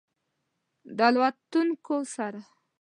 د الوتونکو سره